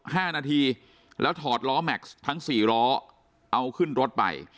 ห้านาทีแล้วถอดล้อแม็กซ์ทั้งสี่ล้อเอาขึ้นรถไป